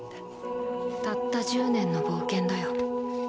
たった１０年の冒険だよ。